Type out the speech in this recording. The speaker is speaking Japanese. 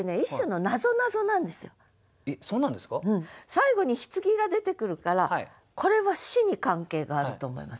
最後に「柩」が出てくるからこれは「死」に関係があると思いません？